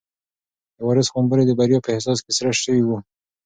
د وارث غومبوري د بریا په احساس کې سره شوي وو.